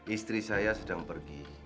istri saya sedang pergi